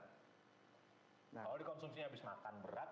kalau dikonsumsi habis makan berat ya udah rusak